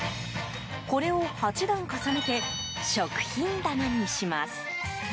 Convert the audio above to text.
これを８段重ねて食品棚にします。